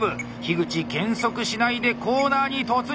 口減速しないでコーナーに突入！